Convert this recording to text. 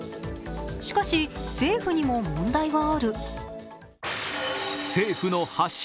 しかし、政府にも問題はある。